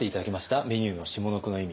メニューの下の句の意味。